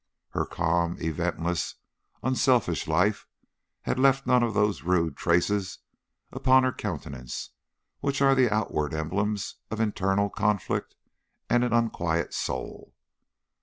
Her calm, eventless, unselfish life had left none of those rude traces upon her countenance which are the outward emblems of internal conflict and an unquiet soul.